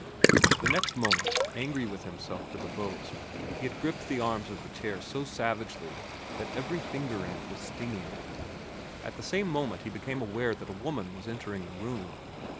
The next moment, angry with himself for the boast, he had gripped the arms of the chair so savagely that every finger end was stinging. At the same moment he became aware that a woman was entering the room.